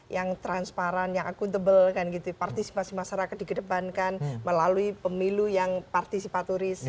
yang transparan yang akuntabel partisipasi masyarakat dikedepankan melalui pemilu yang partisipaturis